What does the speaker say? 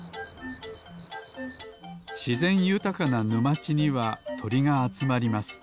しぜんゆたかなぬまちにはとりがあつまります。